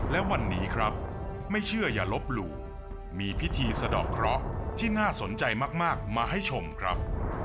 และวันนี้ครับไม่เชื่ออย่าลบหลู่มีพิธีสะดอกเคราะห์ที่น่าสนใจมากมาให้ชมครับ